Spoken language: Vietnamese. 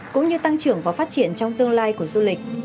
cũng như tăng trưởng và phát triển trong tương lai của du lịch